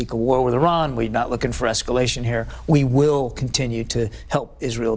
kemlu memastikan tidak ada wni yang terdampak